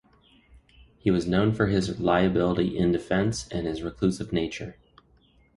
He was known for his reliability in defence and his reclusive nature.